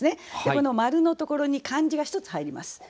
この丸のところに漢字が１つ入ります。